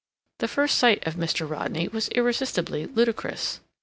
The first sight of Mr. Rodney was irresistibly ludicrous.